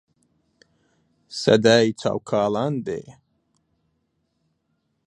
سەدای چاو کاڵان دێ